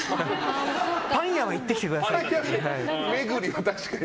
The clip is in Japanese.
パン屋は行ってきてくださいって。